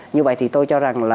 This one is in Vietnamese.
như vậy thì tôi cho rằng là